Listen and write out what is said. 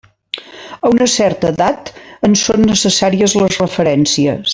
A una certa edat ens són necessàries les referències.